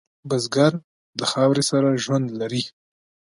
بزګر د خاورې سره ژوند لري